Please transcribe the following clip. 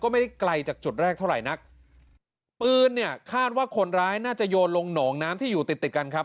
ไม่ได้ไกลจากจุดแรกเท่าไหร่นักปืนเนี่ยคาดว่าคนร้ายน่าจะโยนลงหนองน้ำที่อยู่ติดติดกันครับ